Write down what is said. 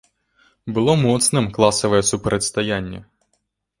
Было моцным класавае супрацьстаянне.